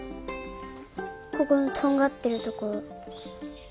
ここのとんがってるところ。